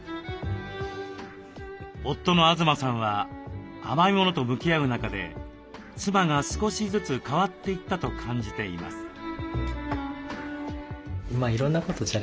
夫の東さんは甘いものと向き合う中で妻が少しずつ変わっていったと感じています。